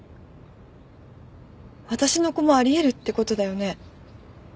私の子もあり得るってことだよね？